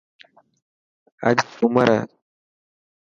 اڄ سومر هي.